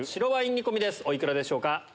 お幾らでしょうか？